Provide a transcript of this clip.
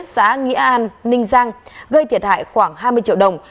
xã nghĩa an ninh giang gây thiệt hại khoảng hai mươi triệu đồng